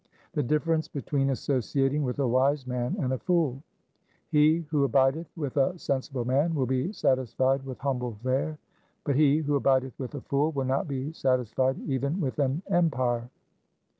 1 The difference between associating with a wise man and a fool :— He who abideth with a sensible man will be satisfied with humble fare, but he who abideth with a fool will not be satisfied even with an empire.